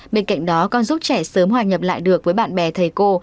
bên cạnh đó còn giúp trẻ sớm hòa nhập lại được với bạn bè thầy cô